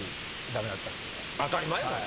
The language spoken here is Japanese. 当たり前やがな。